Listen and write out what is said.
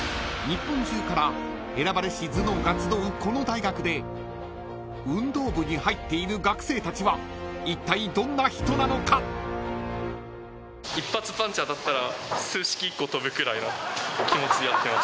［日本中から選ばれし頭脳が集うこの大学で運動部に入っている学生たちはいったいどんな人なのか］くらいの気持ちでやってます。